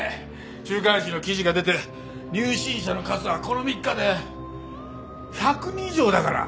週刊誌の記事が出て入信者の数はこの３日で１００人以上だから。